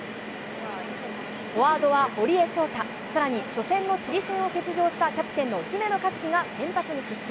フォワードは堀江翔太、さらに初戦のチリ戦を欠場したキャプテンの姫野和樹が先発に復帰。